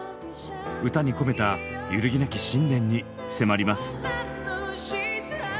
歌に込めた揺るぎなき信念に迫ります。